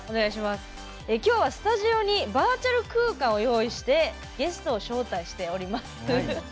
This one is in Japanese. きょうはスタジオにバーチャル空間を用意してゲストを招待しております。